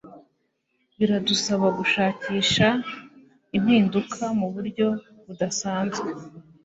Biradusaba gushakisha impinduka mu buryo budasanzwe.